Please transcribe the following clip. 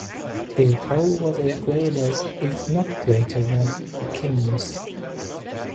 Their power was as great as, if not greater than, the king's.